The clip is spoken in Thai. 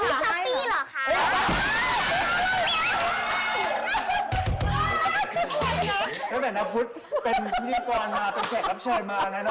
พี่ธิกรเห็นน่ากลัวดิ